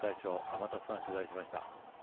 天達さんが取材しました。